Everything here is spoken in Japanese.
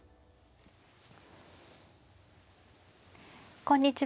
こんにちは。